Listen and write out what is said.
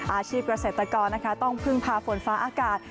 อาชีพเกษตรกรต้องพึ่งพาฝนฟ้าอากาศ